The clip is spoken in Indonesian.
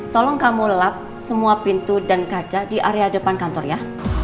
tolong kamu lap semua pintu dan kaca di area depan kantor ya